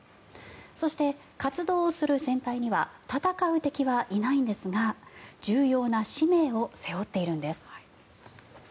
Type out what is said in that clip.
そして、活動する戦隊には戦う敵はいないんですが重要な使命を背負っているんです。